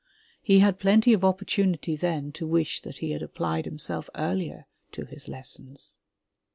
He had plenty of opportunity then to wish that he had applied himself earlier to his lessons.